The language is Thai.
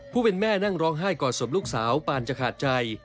ผู้เป็นแม่นั่งร้องไห้กอดศพลูกสาวปานจะขาดใจ